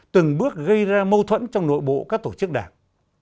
từng bước gây ra mâu thuẫn trong nội bộ các tổ chức đảng